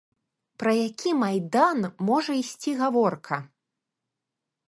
Пра які майдан можа ісці гаворка?